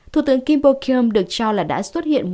thủ tướng kim bok yum được cho là đã xuất hiện